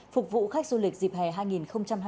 phục vụ khách du lịch dịp hè hai nghìn hai mươi bốn